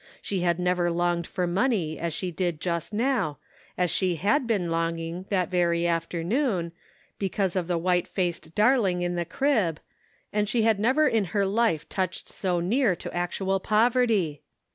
She had never longed for money as she did just now, as she had been longing, that very afternoon, because of the white faced darling in the crib, and she had never in her life touched so near to actual poverty